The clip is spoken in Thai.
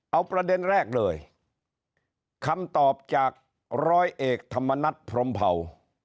เอาประเด็นแรกเลยคำตอบจากร้อยเอกธรรมนัฐพรมเผา